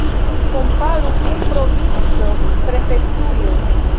Komparu kun provinco, prefektujo.